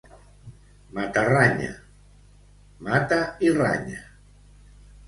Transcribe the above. Matarranya... mata i ranya.